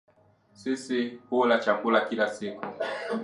Sisi hula chakula kila siku